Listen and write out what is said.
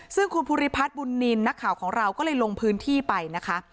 ซึ่งคุณภูริพัฒน์บุญนินทร์นักข่าวของเราก็เลยลงพื้นที่ไปนะคะ